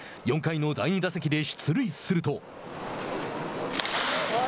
４回の第２打席で出塁すると。